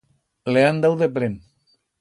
Le han dau de plen.